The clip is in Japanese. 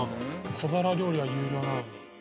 「小皿料理は有料なのに」